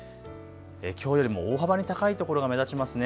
きょうよりも大幅に高いところが目立ちますね。